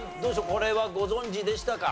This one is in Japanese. これはご存じでしたか？